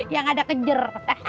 yang ada kejer